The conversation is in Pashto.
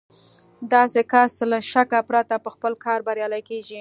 داسې کس له شکه پرته په خپل کار بريالی کېږي.